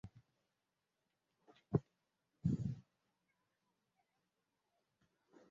Al-Junaynah ndio mji mkuu wa jimbo hili.